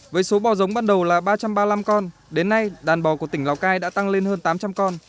với số bò giống ban đầu là ba trăm ba mươi năm con đến nay đàn bò của tỉnh lào cai đã tăng lên hơn tám trăm linh con